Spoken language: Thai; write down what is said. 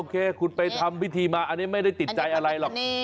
คุณไปทำพิธีมาอันนี้ไม่ได้ติดใจอะไรหรอก